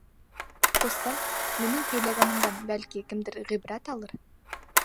— Ҡустым, минең һөйләгәнемдән, бәлки, кемдер ғибрәт алыр.